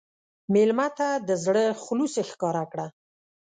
مېلمه ته د زړه خلوص ښکاره کړه.